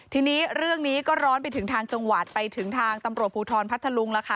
ทีนี้เรื่องนี้ก็ร้อนไปถึงทางจังหวัดไปถึงทางตำรวจภูทรพัทธลุงแล้วค่ะ